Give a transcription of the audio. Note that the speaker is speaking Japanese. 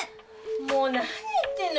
もう何言ってんの？